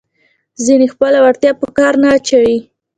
ځینې خپله وړتیا په کار نه اچوي.